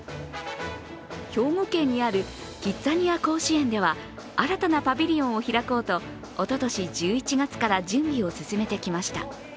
兵庫県にあるキッザニア甲子園では新たなパビリオンを開こうとおととし１１月から準備を進めてきました。